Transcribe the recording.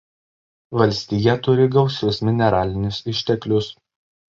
Valstija turi gausius mineralinius išteklius.